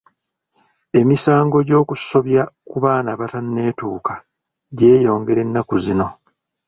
Emisango gy'okusobya ku baana abatanneetuuka gyeyongera ennaku zino.